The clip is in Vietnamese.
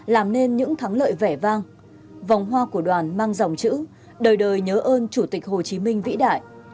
làm nên những thắng lợi vẻ vang vòng hoa của đoàn mang dòng chữ đời đời nhớ ơn chủ tịch hồ chí minh vĩ đại